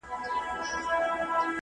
که وخت وي، مينه څرګندوم،